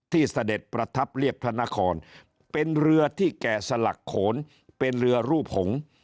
เสด็จประทับเรียบพระนครเป็นเรือที่แก่สลักโขนเป็นเรือรูปหงษ์